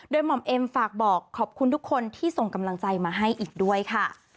โดยหม่อมเอ็มฝากบอกขอบคุณทุกคนที่ส่งกำลังใจมาให้อีกด้วยค่ะ